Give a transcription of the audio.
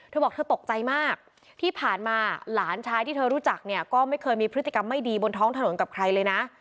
เธอบอกเธอตกใจมากที่ผ่านมาหลานชายที่เธอรู้จักเนี่ยก็ไม่เคยมีพฤติกรรมไม่ดีบนท้องถนนกับใครเลยนะ